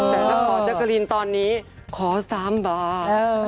แล้วนะคะจักรินตอนนี้ขอ๓บาท